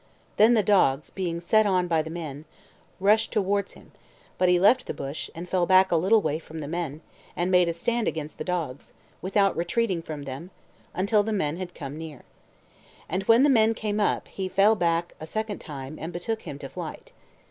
Then the dogs, being set on by the men, rushed towards him; but he left the bush, and fell back a little way from the men, and made a stand against the dogs, without retreating from them, until the men had come near. And when the men came up, he fell back a second time, and betook him to flight.